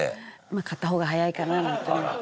買った方が早いかななんて思って。